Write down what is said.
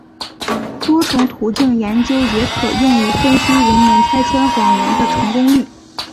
多重途径研究也可用于分析人们拆穿谎言的成功率。